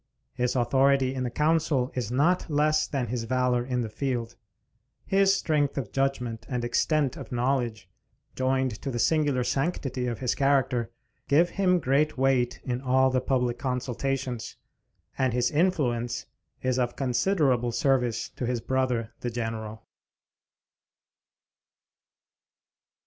His authority in the council is not less than his valor in the field. His strength of judgment and extent of knowledge, joined to the singular sanctity of his character, give him great weight in all the public consultations; and his influence is of considerable service to his brother the General.